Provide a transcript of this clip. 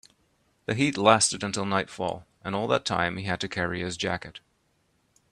The heat lasted until nightfall, and all that time he had to carry his jacket.